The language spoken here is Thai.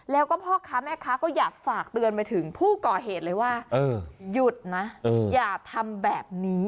แล้วก็พ่อค้าแม่ค้าก็อยากฝากเตือนไปถึงผู้ก่อเหตุเลยว่าหยุดนะอย่าทำแบบนี้